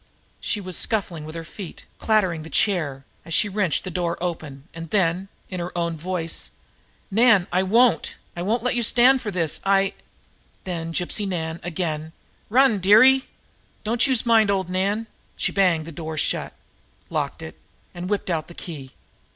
She was scuffling with her feet, clattering the chair, as she wrenched the door open. And then, in her own voice: "Nan, I won't! I won't let you stand for this, I " Then as Gypsy Nan again: "Run, dearie! Don't youse mind old Nan!" She banged the door shut, locked it, and whipped out the key.